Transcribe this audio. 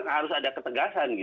harus ada ketegasan